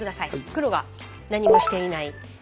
黒が何もしていない。